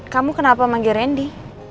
kamu kenapa manggil rendy